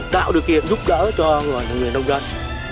tạo điều kiện giúp đỡ cho người nông dân